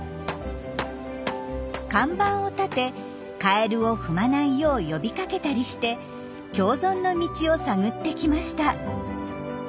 看板を立てカエルを踏まないよう呼びかけたりして共存の道を探ってきました。